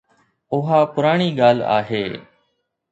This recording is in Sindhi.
اها پراڻي ڳالهه آهي.